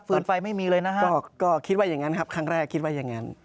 ไฟไม่มีเลยนะฮะก็คิดว่าอย่างนั้นครับครั้งแรกคิดว่าอย่างนั้น